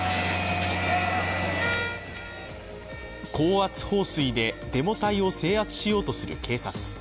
高圧放水でデモ隊を制圧しようとする警察。